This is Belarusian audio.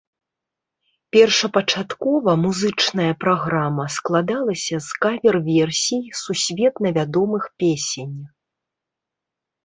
Першапачаткова музычная праграма складалася з кавер-версій сусветна вядомых песень.